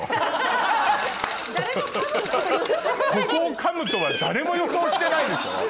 ここを噛むとは誰も予想してないでしょ？